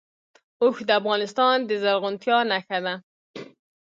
اوښ د افغانستان د زرغونتیا نښه ده.